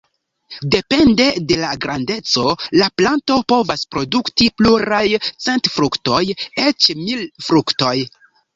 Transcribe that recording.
Depende de la grandeco la planto povas produkti pluraj cent fruktoj, eĉ mil fruktoj.